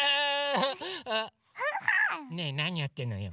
ねえなにやってんのよ。